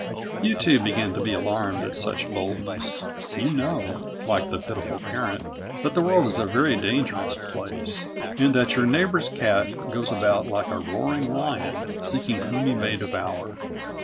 You, too, begin to be alarmed at such boldness. You know, like the pitiful parent, that the world is a very dangerous place, and that your neighbour's cat goes about like a roaring lion seeking whom he may devour.